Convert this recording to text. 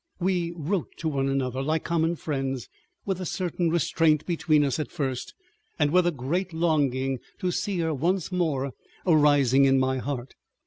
We wrote to one another—like common friends with a certain restraint between us at first, and with a great longing to see her once more arising in my heart.